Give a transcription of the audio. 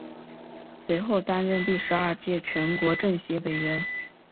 随后担任第十二届全国政协委员。